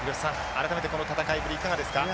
改めてこの戦いぶりいかがですか？